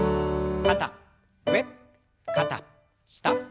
肩上肩下。